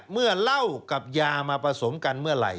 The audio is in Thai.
เมื่อเล่ากับยามาประสงค์กันเมื่อไหร่